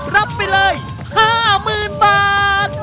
รับไปเลย๕๐๐๐๐บาท